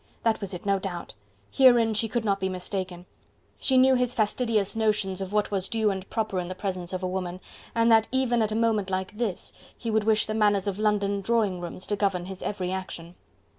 that was it no doubt! Herein she could not be mistaken; she knew his fastidious notions of what was due and proper in the presence of a woman, and that even at a moment like this, he would wish the manners of London drawing rooms to govern his every action.